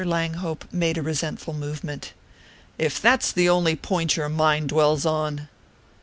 Langhope made a resentful movement. "If that's the only point your mind dwells on